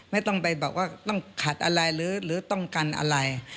ไม่ต้องไปบอกว่าต้องขัดอะไรหรือต้องกันอะไร